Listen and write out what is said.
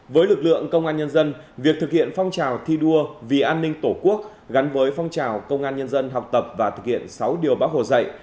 với lực lượng công an nhân dân việc thực hiện phong trào thi đua vì an ninh tổ quốc gắn với phong trào công an nhân dân học tập và thực hiện sáu điều bác hồ dạy